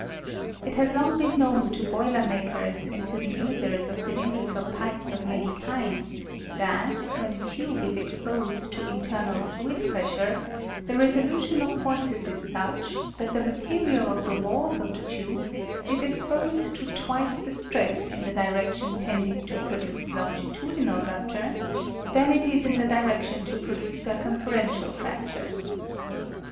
It has long been known to boiler makers and to the users of cylindrical pipes of many kinds, that, when a tube is exposed to internal fluiil pressure, the resolution of forces Is such tlml the material of the walls of the tube is expcscd to twice the stress In the direction tending to produce longitudinal rup ture, that It is In the direction to produce circum ferential fracture.